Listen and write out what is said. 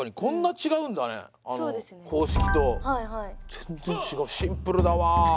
全然違うシンプルだわ。